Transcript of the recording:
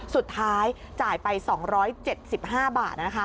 สุดท้ายจ่ายไป๒๗๕บาท